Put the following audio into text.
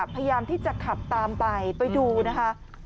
พยายามที่จะขับตามไปไปดูนะคะ